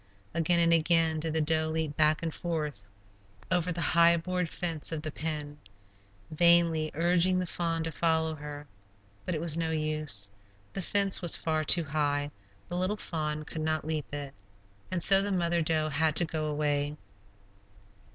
Again and again did the doe leap back and forth over the high board fence of the pen, vainly urging the fawn to follow her. But it was no use; the fence was far too high; the little fawn could not leap it, and so the mother doe had to go away.